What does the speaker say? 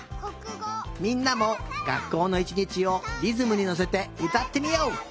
みんなもがっこうのいちにちをリズムにのせてうたってみよう。